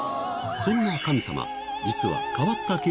そんな神様、実は変わった